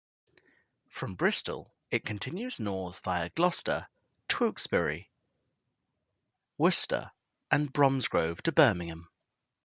From Bristol, it continues north via Gloucester, Tewkesbury, Worcester and Bromsgrove to Birmingham.